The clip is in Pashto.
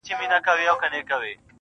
د خپل جېبه د سگريټو يوه نوې قطۍ وا کړه